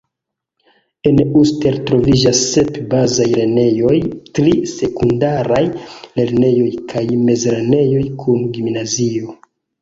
En Uster troviĝas sep bazaj lernejoj, tri sekundaraj lernejoj kaj mezlernejo kun gimnazio.